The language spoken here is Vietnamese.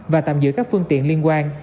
và tạm giữ các phương tiện liên quan